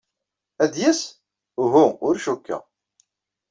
Ad d-yas? Uhu, ur cikkeɣ.